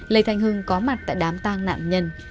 lê thanh hưng có mặt tại đám tang nạn nhân